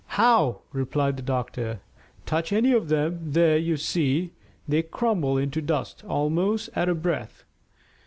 "How?" replied the doctor. "Touch any of them. There, you see. They crumble into dust almost at a breath.